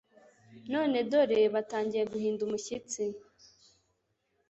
None dore batangiye guhinda umushyitsi